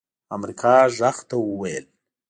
امريکا غږ ته وويل